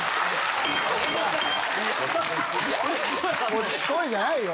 こっち来いじゃないよ。